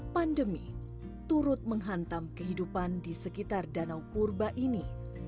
pandemi turut menghantam kehidupan di sekitar danau purba ini